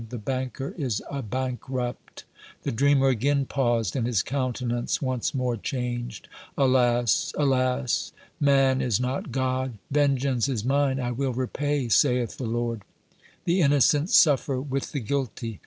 The banker is a bankrupt!" The dreamer again paused, and his countenance once more changed. "Alas! alas! man is not God! 'Vengeance is mine, I will repay, saith the Lord!' The innocent suffer with the guilty.